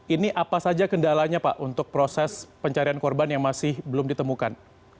ini apa saja kendalanya pak untuk proses pencarian korban yang masih belum ditemukan